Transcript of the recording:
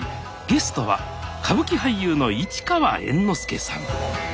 ゲストは歌舞伎俳優の市川猿之助さん。